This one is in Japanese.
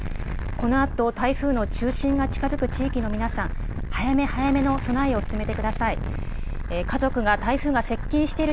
このあと台風の中心が近づく地域の皆さん、早め早めの備えを進めてください。